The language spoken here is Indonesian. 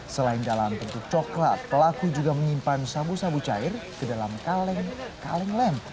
selain dalam bentuk coklat pelaku juga menyimpan sabu sabu cair ke dalam kaleng kaleng lem